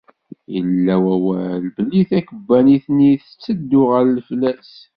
Yella wawal belli takebbanit-nni tetteddu ɣer leflas.